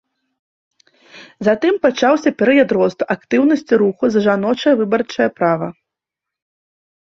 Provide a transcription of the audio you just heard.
Затым пачаўся перыяд росту актыўнасці руху за жаночае выбарчае права.